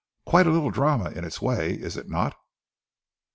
Quite a little drama in its way, is it not?"